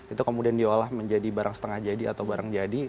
itu kemudian diolah menjadi barang setengah jadi atau barang jadi